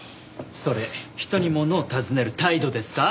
それ人にものを尋ねる態度ですか？